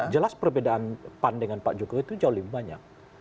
jelas perbedaan pan dengan pak jokowi itu jauh lebih banyak